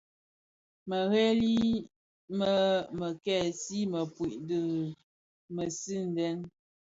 Mërèli më mè kèkèsi mëpuid dhi mësinden.